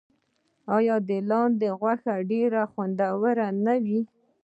آیا د لاندي غوښه ډیره خوندوره نه وي؟